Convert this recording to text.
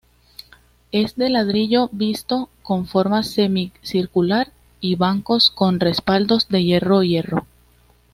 Es de ladrillo visto, con forma semicircular y bancos con respaldos de hierro hierro.